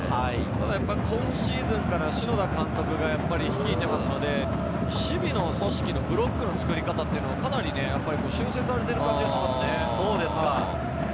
今シーズンから篠田監督が率いていますので、守備の組織のブロックの作り方が、かなり修正されている感じがしますね。